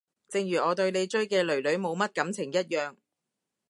正如我對你追嘅囡囡冇乜感情一樣